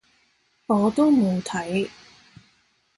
我都冇睇